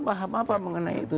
paham apa mengenai itu